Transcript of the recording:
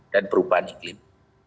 dan perubahan iklim